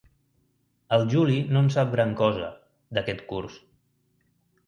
El Juli no en sap gran cosa, d'aquest curs.